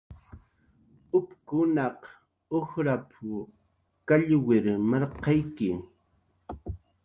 "upkunaq ujrap"" kallwir marqayki"